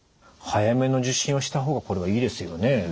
早めの受診をした方がこれはいいですよね。